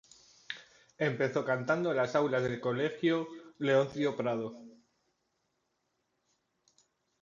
Empezó cantando en las aulas del colegio Leoncio Prado.